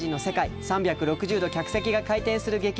３６０度客席が回転する劇場にて。